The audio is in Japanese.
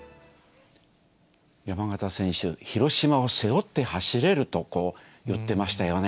山縣選手、広島を背負って走れると、こう言ってましたよね。